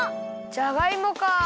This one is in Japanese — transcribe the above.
じゃがいもか。